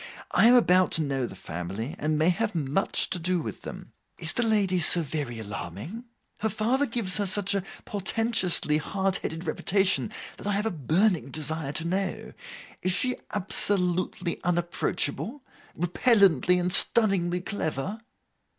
I am about to know the family, and may have much to do with them. Is the lady so very alarming? Her father gives her such a portentously hard headed reputation, that I have a burning desire to know. Is she absolutely unapproachable? Repellently and stunningly clever?